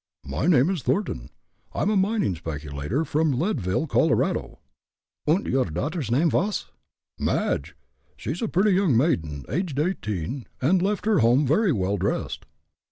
"My name is Thornton I am a mining speculator from Leadville, Colorado." "Und your daughter's name vos ?" "Madge. She is a pretty young maiden, aged eighteen, and left her home very well dressed."